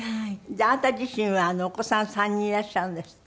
あなた自身はお子さん３人いらっしゃるんですって？